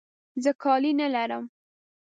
زه کالي نه لرم.